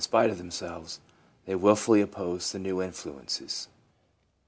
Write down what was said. spite of themselves, they wilfully oppose the new in fluences.